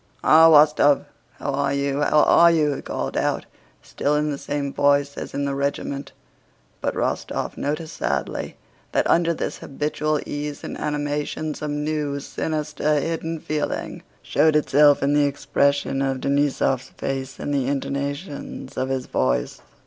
"Ah, Wostóv? How are you, how are you?" he called out, still in the same voice as in the regiment, but Rostóv noticed sadly that under this habitual ease and animation some new, sinister, hidden feeling showed itself in the expression of Denísov's face and the intonations of his voice.